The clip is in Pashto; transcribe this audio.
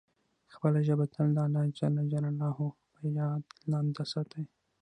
خپله ژبه تل د الله جل جلاله په یاد لنده ساته.